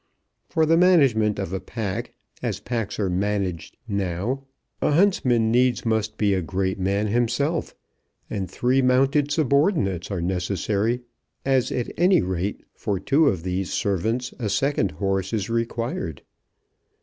For the management of a pack, as packs are managed now, a huntsman needs must be a great man himself, and three mounted subordinates are necessary, as at any rate for two of these servants a second horse is required.